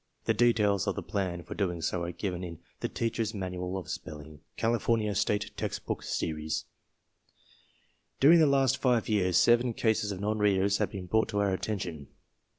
The details of the plan for doing this are given in The Teacher's Manual of Spelling, California State Textbook Series. During the last five years seven cases of non readers 108 TESTS AND SCHOOL REORGANIZATION have been brought to our attention.